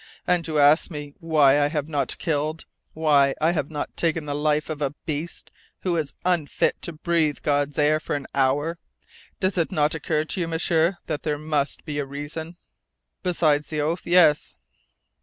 And you ask me why I have not killed, why I have not taken the life of a beast who is unfit to breathe God's air for an hour! Does it not occur to you, M'sieur, that there must be a reason?" "Besides the oath, yes!"